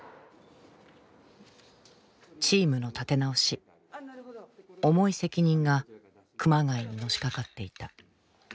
チームの立て直し重い責任が熊谷にのしかかっていた。